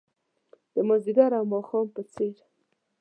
د مازدیګر او د ماښام په څیرې